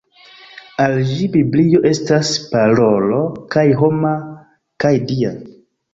Al ĝi Biblio estas parolo kaj homa kaj Dia.